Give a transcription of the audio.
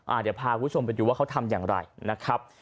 เดี๋ยวพาคุณผู้ชมไปดูว่าเขาทำอย่างไรนะครับ